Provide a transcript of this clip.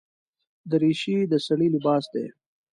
دریشي د سړي لباس دی.